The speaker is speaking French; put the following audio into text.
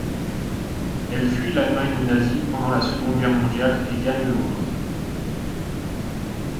Elle fuit l'Allemagne nazie pendant la Seconde Guerre mondiale et gagne Londres.